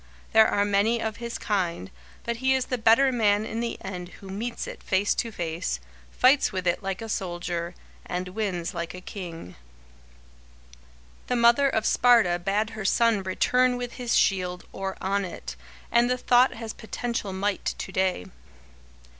There are many of his kind, but he is the better man in the end who meets it face to face, fights with it like a soldier, and wins like a king. [Sidenote: The Thousand Foes] The mother of Sparta bade her son return with his shield or on it, and the thought has potential might to day.